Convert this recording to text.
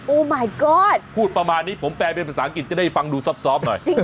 หมายก้อนพูดประมาณนี้ผมแปลเป็นภาษาอังกฤษจะได้ฟังดูซอบหน่อย